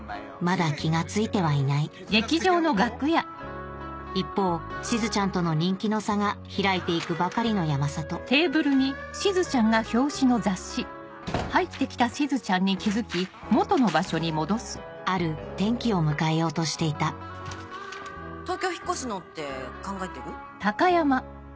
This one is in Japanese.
まだ気が付いてはいない一方しずちゃんとの人気の差が開いていくばかりの山里ある転機を迎えようとしていた東京引っ越すのって考えてる？